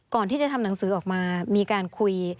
ก่อนที่จะทำหนังสือออกมามีการคุย